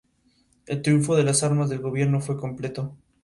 El triunfo de las armas del gobierno fue completo.